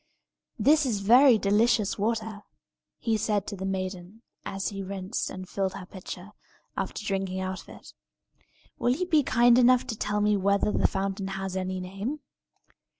"This is very delicious water," he said to the maiden as he rinsed and filled her pitcher, after drinking out of it. "Will you be kind enough to tell me whether the fountain has any name?"